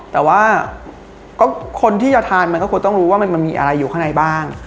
แต่ว่าคนที่จะทานมันก็ควรต้องรู้ว่ามันมีอะไรอยู่ข้างในบ้าง